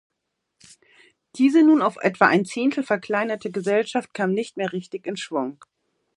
Diese nun auf etwa ein Zehntel verkleinerte Gesellschaft kam nicht mehr richtig in Schwung.